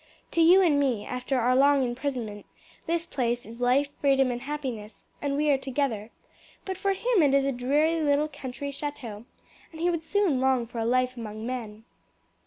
To you and me, after our long imprisonment, this place is life, freedom, and happiness, and we are together; but for him it is a dreary little country chateau, and he would soon long for a life among men."